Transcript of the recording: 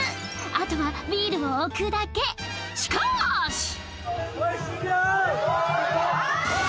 あとはビールを置くだけしかーし！